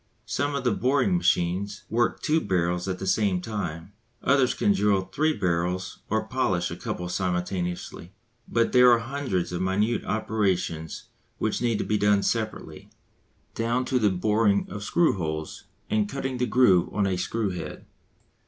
Some of the boring machines work two barrels at the same time, others can drill three barrels or polish a couple simultaneously. But there are hundreds of minute operations which need to be done separately, down to the boring of screw holes and cutting the groove on a screw head.